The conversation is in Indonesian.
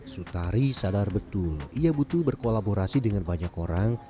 sutari sadar betul ia butuh berkolaborasi dengan banyak orang